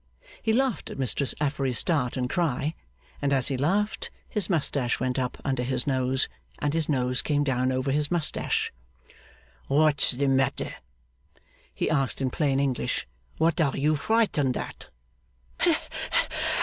He laughed at Mistress Affery's start and cry; and as he laughed, his moustache went up under his nose, and his nose came down over his moustache. 'What's the matter?' he asked in plain English. 'What are you frightened at?